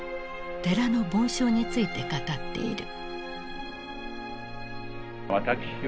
寺の梵鐘について語っている。